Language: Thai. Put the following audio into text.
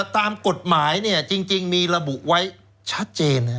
ตามกฎหมายจริงมีระบุไว้ชัดเจน